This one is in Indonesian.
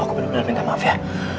aku bener bener minta maaf ya